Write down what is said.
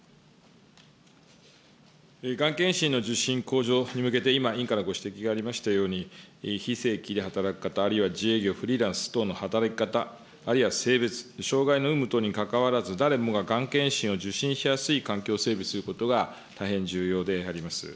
がん検診の受診向上に向けて今、委員からご指摘がありましたように、非正規で働く方、あるいは自営業、フリーランス等の働き方、あるいは性別、障害の有無等にかかわらず、誰もががん検診を受診しやすい環境を整備することが大変重要であります。